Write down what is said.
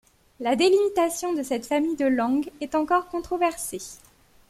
La délimitation de cette famille de langues est encore controversée.